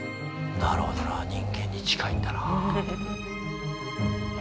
なるほどな人間に近いんだな。